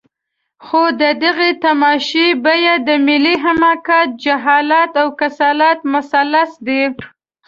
خو د دغې تماشې بیه د ملي حماقت، جهالت او کسالت مثلث دی.